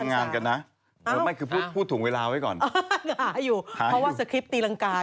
ในวันนี้จันทร์สิ